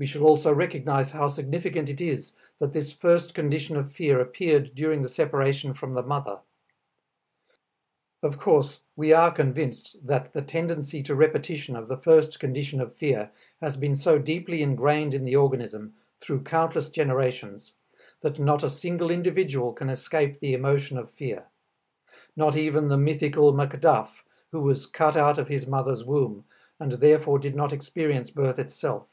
We shall also recognize how significant it is that this first condition of fear appeared during the separation from the mother. Of course, we are convinced that the tendency to repetition of the first condition of fear has been so deeply ingrained in the organism through countless generations, that not a single individual can escape the emotion of fear; not even the mythical Macduff who was "cut out of his mother's womb," and therefore did not experience birth itself.